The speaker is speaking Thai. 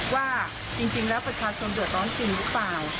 ว่าจริงแล้วประชาชนเดือดร้อนจริงหรือเปล่า